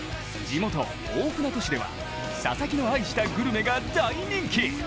地元・大船渡市では佐々木の愛したグルメが大人気。